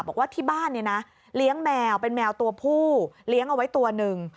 บอกว่าที่บ้านเนี่ยนะเลี้ยงแมวเป็นแมวตัวผู้เลี้ยงเอาไว้ตัวหนึ่ง